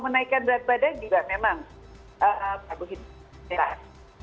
menaikkan berat badan juga memang karbohidrat